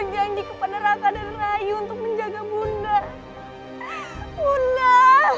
jadi kau udah akan reta